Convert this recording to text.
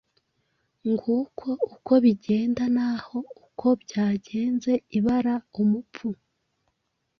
Nguko ukô bigenda naho ukô byagenze ibara umupfu.